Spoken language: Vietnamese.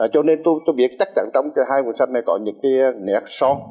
cho nên tôi biết chắc chắn trong hai cuốn sách này có những nét son